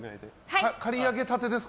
刈り上げたてですか？